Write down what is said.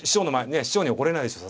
師匠に怒れないでしょう